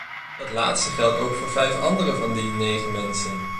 Dat laatste geldt ook voor vijf anderen van die negen mensen.